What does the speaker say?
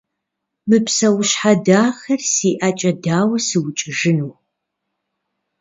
Мы псэущхьэ дахэр си ӀэкӀэ дауэ сукӀыжыну?